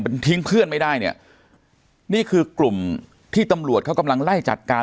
เป็นทิ้งเพื่อนไม่ได้เนี่ยนี่คือกลุ่มที่ตำรวจเขากำลังไล่จัดการ